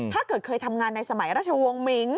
ถ้าเกิดเคยทำงานในสมัยราชวงศ์มิ้ง